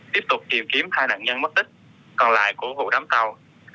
tiếp tục tìm kiếm hai nạn nhân mất tích còn lại của vụ đám tàu